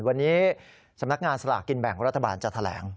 วันนี้สำนักงานสลากกินแบ่งรัฐบาลจะแถลง